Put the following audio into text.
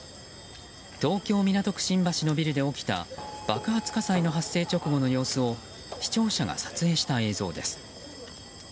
東京・港区新橋のビルで起きた爆発火災の発生直後の様子を視聴者が撮影した映像です。